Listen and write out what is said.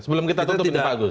sebelum kita tutup ini pak agus